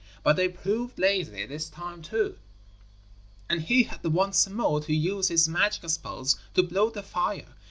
But they proved lazy this time too, and he had once more to use his magic spells to blow the fire.